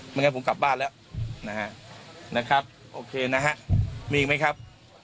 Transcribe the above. ไม่งั้นผมกลับบ้านแล้วนะครับโอเคนะครับมีอีกไหมครับ